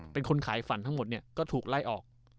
เป็นคนขายฝันทั้งหมดเนี่ยก็ถูกไล่ออก